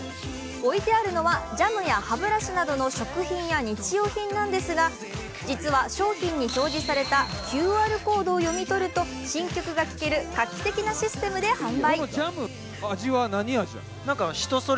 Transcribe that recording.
置いてあるのは、ジャムや歯ブラシなどの食品や日用品なんですが実は商品に表示されたＱＲコードを読み取ると新曲が聴ける画期的なシステムで販売。